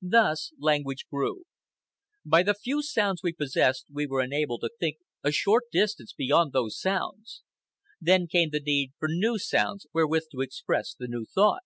Thus language grew. By the few sounds we possessed we were enabled to think a short distance beyond those sounds; then came the need for new sounds wherewith to express the new thought.